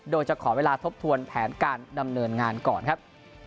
โดยจะขอเวลาทบทวนแผนการดำเนินงานก่อนครับ